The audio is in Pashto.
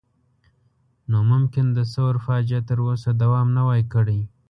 نو ممکن د ثور فاجعه تر اوسه دوام نه وای کړی.